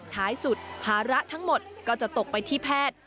ท้ายสุดภาระทั้งหมดก็จะตกไปที่แพทย์